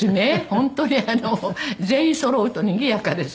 本当に全員そろうとにぎやかです。